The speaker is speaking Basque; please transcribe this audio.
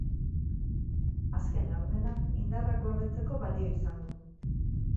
Azken laurdenak indarrak gordetzeko balio izan du.